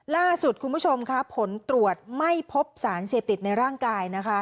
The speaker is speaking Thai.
ล่าสุดผลตรวจไม่พบสารเสพติดในร่างกาย